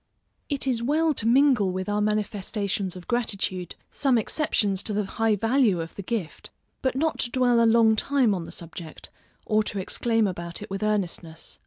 It is well to mingle with our manifestations of gratitude, some exceptions to the high value of the gift, but not to dwell a long time on the subject, or to exclaim about it with earnestness.